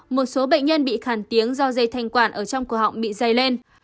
một số bệnh nhân bị khan tiếng do dây thanh quản ở trong cổ họng bị dày lên